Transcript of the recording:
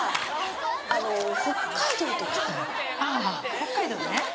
北海道ね。